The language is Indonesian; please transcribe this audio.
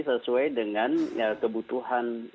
sesuai dengan kebutuhan